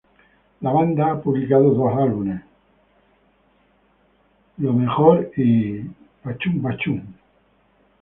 La banda ha publicado dos álbumes, "Get Better" y "Pebble".